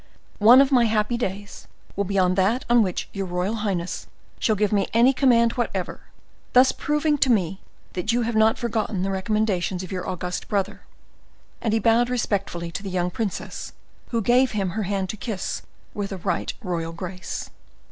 One of my happy days will be on that on which your royal highness shall give me any command whatever, thus proving to me that you have not forgotten the recommendations of your august brother." And he bowed respectfully to the young princess, who gave him her hand to kiss with a right royal grace.